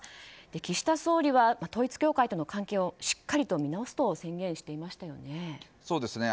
岸田総理は統一教会との関係をしっかりと見直すと宣言していましたよね。